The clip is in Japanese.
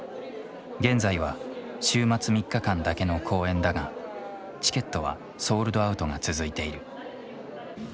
現在は週末３日間だけの公演だがチケットはソールドアウトが続いている。